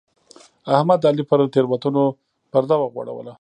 احمد د علي پر تېروتنو پرده وغوړوله.